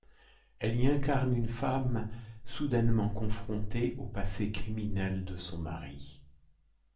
Elle y incarne une femme soudainement confrontée au passé criminel de son mari.